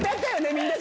みんなで。